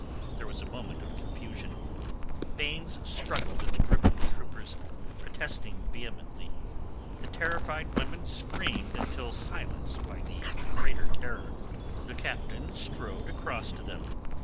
There was a moment of confusion. Baynes struggled in the grip of the troopers, protesting vehemently. The terrified women screamed until silenced by a greater terror. The Captain strode across to them.